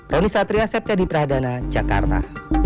rony satria setia di prahdana jakarta